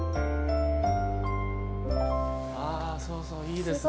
ああそうそういいですね。